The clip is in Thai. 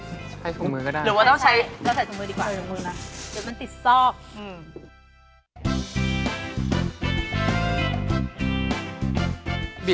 ใช้ถุงมือก็ได้